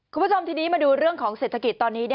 คุณผู้ชมทีนี้มาดูเรื่องของเศรษฐกิจตอนนี้